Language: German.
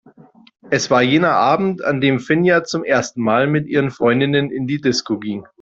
Es war jener Abend, an dem Finja zum ersten Mal mit ihren Freundinnen in die Disco ging.